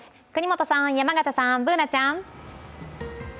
國本さん、山形さん、Ｂｏｏｎａちゃん。